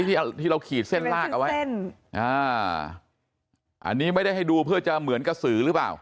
ที่เราขีดเส้นลากเอาไว้เส้นอ่าอันนี้ไม่ได้ให้ดูเพื่อจะเหมือนกระสือหรือเปล่า